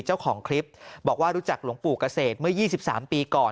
เจ้าของคลิปบอกว่ารู้จักหลวงปู่เกษตรเมื่อ๒๓ปีก่อน